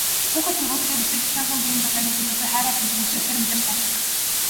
Хүүхэд тэврүүлснээр эцэг эхийнхээ биеийн дулааныг төдийгүй хайр халамжийг маш ихээр мэдэрч тайвширдаг.